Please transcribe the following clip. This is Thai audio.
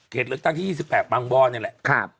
เหตุเลือกตั้งที่๒๘ปังบ่อนนี่แหละ